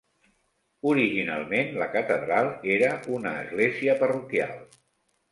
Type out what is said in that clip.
Originalment, la catedral era una església parroquial.